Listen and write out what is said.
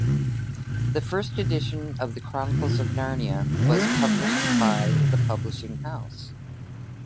The first edition of The Chronicles of Narnia was published by the publishing house.